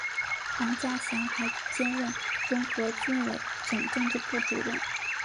王稼祥还兼任中革军委总政治部主任。